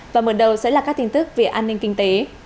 và mở đầu sẽ là các tin tức về an ninh kinh tế